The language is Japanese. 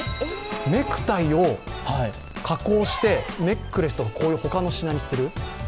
ネクタイを加工して、ネックレスとか、こういう他の品にする。